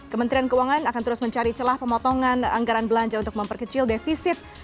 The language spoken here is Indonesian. kementerian keuangan akan terus mencari celah pemotongan anggaran belanja untuk memperkecil defisit